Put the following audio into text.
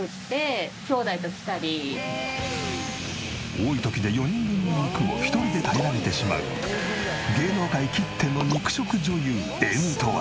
多い時で４人分の肉を１人で平らげてしまう芸能界きっての肉食女優Ｎとは？